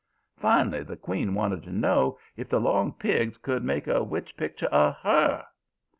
Finally the queen wanted to know if the 'long pigs' could make a witch picture of HER.